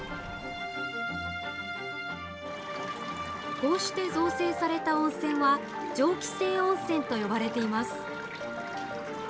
こうして造成された温泉は蒸気井温泉と呼ばれています。